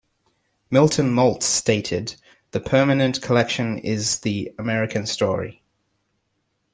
Milton Maltz stated, The Permanent Collection is the American story.